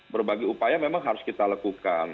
berbagai upaya memang harus kita lakukan